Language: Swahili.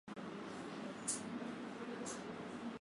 Hayo ni mambo muhimu yanayoweza kuathiri afya ya mwanadamu